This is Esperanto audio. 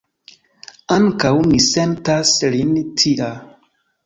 Ankaŭ mi sentas lin tia.